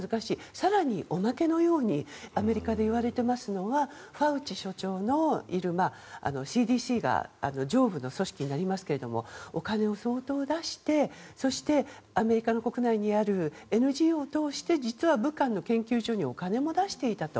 更に、おまけのようにアメリカで言われていますのはファウチ所長のいるＣＤＣの上部の組織になりますがお金を相当、出してそして、アメリカの国内にあるＮＧＯを通して武漢の研究所にお金を出していたと。